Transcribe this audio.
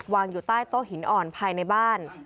อยู่ใต้โต๊ะหินอ่อนภายในบ้าน